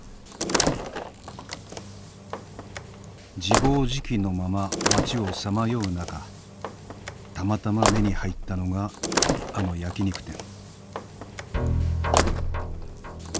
自暴自棄のまま町をさまよう中たまたま目に入ったのがあの焼き肉店。